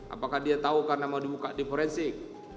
apakah dia tahu karena mau dibuka di forensik